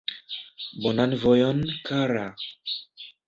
Bonan vojon, kara!